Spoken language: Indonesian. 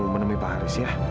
menemui pak haris ya